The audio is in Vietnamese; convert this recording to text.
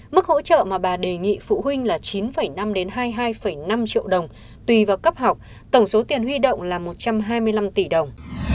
mức hỗ trợ mà bà đề nghị phụ huynh là chín năm hai mươi hai năm triệu đồng tùy vào cấp học tổng số tiền huy động là một trăm hai mươi năm tỷ đồng